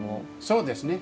そうですね。